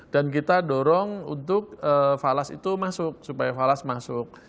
dan kita dorong untuk falas itu masuk supaya falas masuk